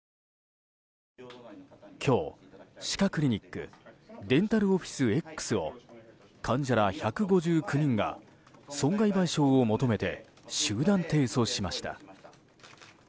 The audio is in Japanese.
今日、歯科クリニックデンタルオフィスＸを患者ら１５９人が損害賠償を求めて集団提訴しました。